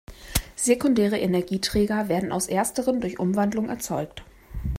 Sekundäre Energieträger werden aus ersteren durch Umwandlung erzeugt.